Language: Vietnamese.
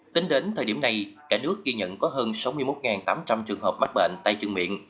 tính đến thời điểm này cả nước ghi nhận có hơn sáu mươi một tám trăm linh trường hợp mắc bệnh tay chân miệng